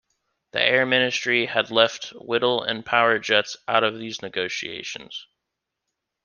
The Air Ministry had left Whittle and Power Jets out of these negotiations.